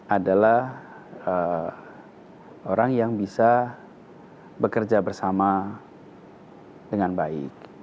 adalah orang yang bisa bekerja bersama dengan baik